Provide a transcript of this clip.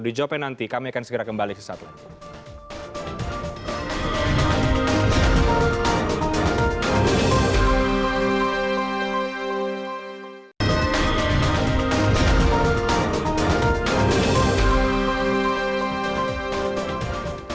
di jopeng nanti kami akan segera kembali ke saat lain